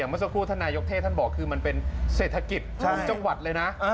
เมื่อสักครู่ท่านนายกเทศท่านบอกคือมันเป็นเศรษฐกิจของจังหวัดเลยนะ